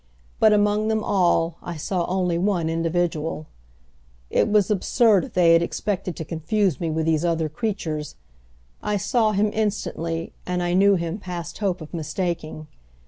But among them all I saw only one individual. It was absurd if they had expected to confuse me with these other creatures. I saw him instantly and I knew him past hope of mistaking.